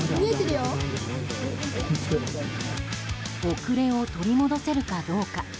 遅れを取り戻せるかどうか。